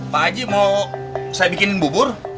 pak haji mau saya bikin bubur